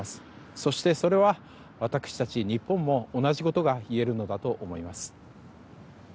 そして、それは私たち日本も同じことがいえるのかと思います。